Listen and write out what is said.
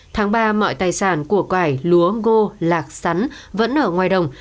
tháng ba mọi tài sản của cải lúa ngô lạc sắn vẫn ở ngoài đồng